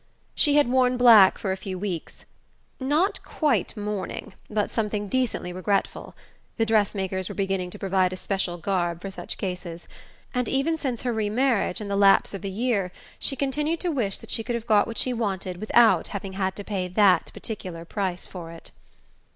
She had worn black for a few weeks not quite mourning, but something decently regretful (the dress makers were beginning to provide a special garb for such cases); and even since her remarriage, and the lapse of a year, she continued to wish that she could have got what she wanted without having had to pay that particular price for it.